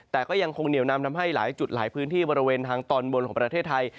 แต่ก็ยังคงเหนียวนำทำให้หลายจุดหลายพื้นที่บริเวณทางตอนบนของประเทศไทย